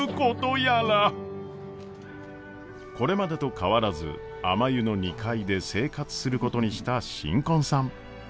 これまでと変わらずあまゆの２階で生活することにした新婚さん。